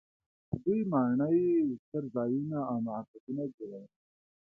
دوی ماڼۍ، ستر ځایونه او معبدونه جوړول.